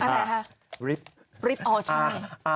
อะไรฮะ